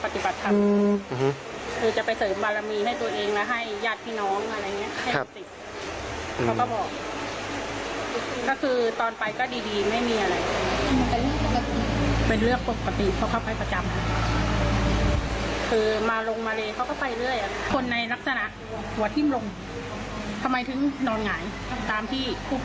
ตามที่ผู้ภัยส่งภาพมาให้